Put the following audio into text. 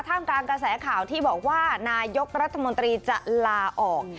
กลางกระแสข่าวที่บอกว่านายกรัฐมนตรีจะลาออก